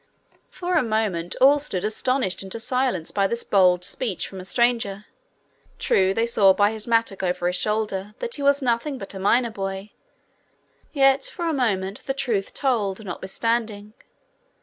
For a moment all stood astonished into silence by this bold speech from a stranger. True, they saw by his mattock over his shoulder that he was nothing but a miner boy, yet for a moment the truth told notwithstanding.